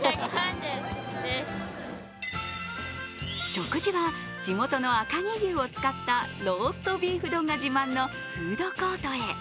食事は地元の赤城牛を使ったローストビーフ丼が自慢のフードコートへ。